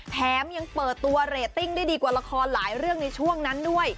แถมยังเปิดตัวเรตติ้งได้ดีกว่าละครหลายเรื่องในช่วงนั้นด้วย